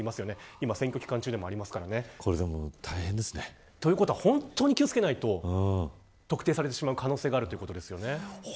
今は選挙期間中でもありますからね。ということは本当に気を付けないと特定されてしまう可能性があります。